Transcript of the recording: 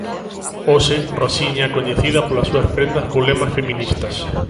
Hoxe, 'Rosiña' é coñecida polas súas prendas con lemas feministas.